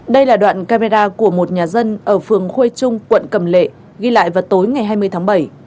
đây là đoạn camera của một nhà dân ở phường khuê trung quận cầm lệ ghi lại vào tối ngày hai mươi tháng bảy